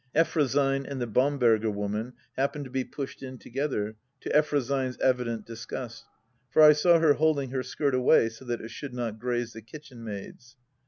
Effrosyne and the Bamberger woman happened to be pushed in together, to Effrosyne's evident disgust, for I saw her holding her skirt away, so that it should not graze the kitchenmaid's.